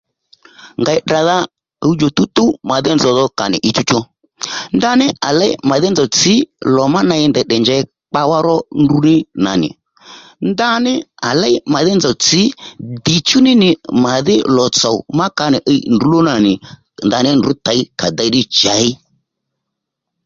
Ngèy tdradha ɦuwdjò tǔwtǔw màdhí nzòw dho à nì ǐchú chú ndaní à léy màdhí nzòw tsǐ lò má ney ndèy tdè njěy kpawá ró ndruní nà nì ndaní à léy màdhí nzòw tsǐ dìchú ní nì màdhí lò-tsò má ka nì iy ndrǔló nà nì ndaní ndrǔ těy kà déy ddí chěy